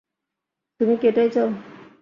তুমি কি এটাই চাও?